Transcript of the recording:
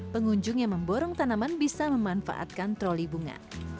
pengunjung yang memborong tanaman bisa memanfaatkan troli bunga